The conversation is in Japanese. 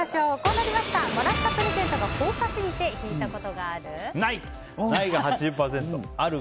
もらったプレゼントが高価すぎて引いたことがある？